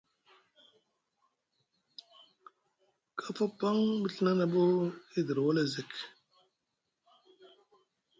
Kafa paŋ mu Ɵina na boo e diri wala zek.